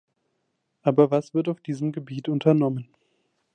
Aber was wird auf diesem Gebiet unternommen?